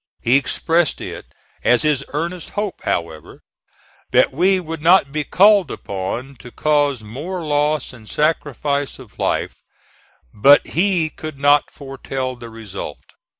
He expressed it as his earnest hope, however, that we would not be called upon to cause more loss and sacrifice of life; but he could not foretell the result.